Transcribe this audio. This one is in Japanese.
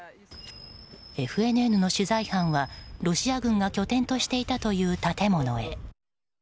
ＦＮＮの取材班は、ロシア軍が拠点としていたという建物へ。